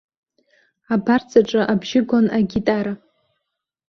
Абарҵаҿы абжьы гон агитара.